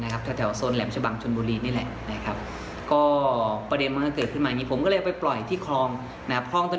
คือหลักหลากสถานที่ทางนั้นก็